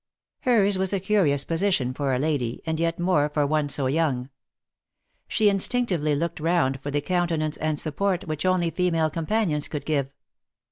Hers was a curious position for a lady, and, yet, more for one so young. She instinctively looked round for the countenance and support which only female companions could give.